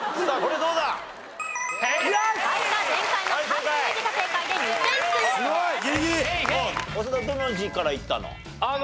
どの字からいったの？